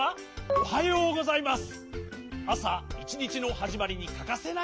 おはようございます。